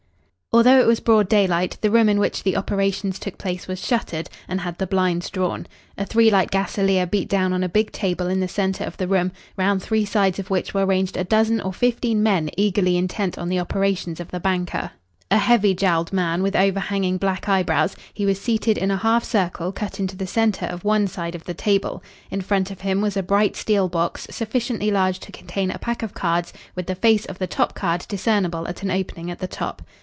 Although it was broad daylight, the room in which the operations took place was shuttered and had the blinds drawn. A three light gaselier beat down on a big table in the centre of the room, round three sides of which were ranged a dozen or fifteen men eagerly intent on the operations of the banker. A heavy jowled man with overhanging black eyebrows, he was seated in a half circle cut into the centre of one side of the table. In front of him was a bright steel box sufficiently large to contain a pack of cards with the face of the top card discernible at an opening at the top.